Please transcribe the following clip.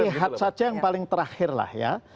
lihat saja yang paling terakhirlah ya